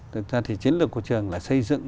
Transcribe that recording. thực ra thì chiến lược của trường là xây dựng